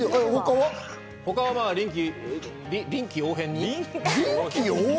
他は臨機応変に。